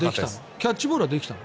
キャッチボールはできたの？